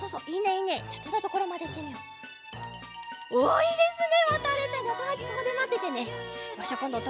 いいですね。